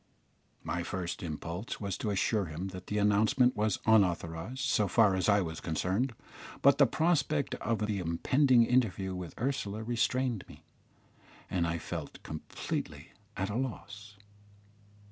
My first impulse was to assure him that the announcement was unauthorised so far as I was concerned, but the prospect of the impending interview with Ursula restrained me, and I felt completely at a loss.